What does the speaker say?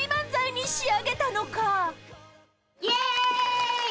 イェーイ！